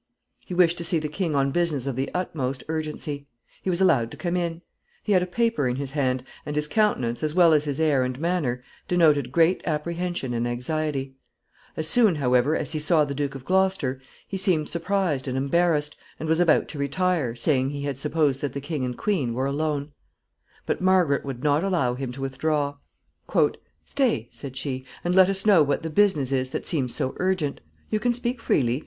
He wished to see the king on business of the utmost urgency. He was allowed to come in. He had a paper in his hand, and his countenance, as well as his air and manner, denoted great apprehension and anxiety. As soon, however, as he saw the Duke of Gloucester, he seemed surprised and embarrassed, and was about to retire, saying he had supposed that the king and queen were alone. [Sidenote: Entrance of Somerset.] But Margaret would not allow him to withdraw. "Stay," said she, "and let us know what the business is that seems so urgent. You can speak freely.